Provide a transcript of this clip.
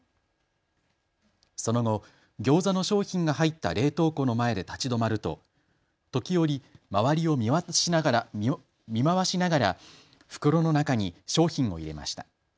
その後、ギョーザの商品が入った冷凍庫の前で立ち止まると、時折、周りを見回しながら袋の中に商品を入れました。